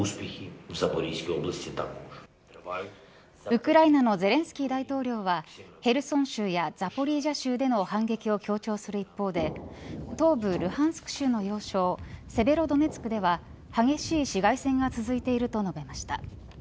ウクライナのゼレンスキー大統領はヘルソン州やザポリージャ州での反撃を強調する一方で東部ルハンスク州の要衝セベロドネツクでは激しい市街戦が続いていると述べました。